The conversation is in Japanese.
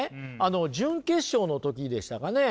準決勝の時でしたかね